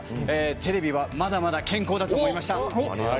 テレビはまだまだ健康だと思いました！